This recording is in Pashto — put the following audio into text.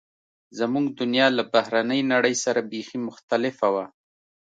زموږ دنیا له بهرنۍ نړۍ سره بیخي مختلفه وه